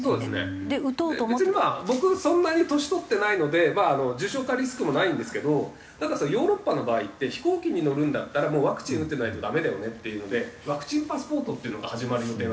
別にまあ僕そんなに年取ってないので重症化リスクもないんですけどただヨーロッパの場合って飛行機に乗るんだったらワクチン打ってないとダメだよねっていうのでワクチンパスポートっていうのが始まる予定なんですよね。